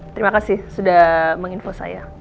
terima kasih sudah menginfo saya